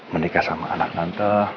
menikah sama anak tante